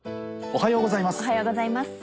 おはようございます。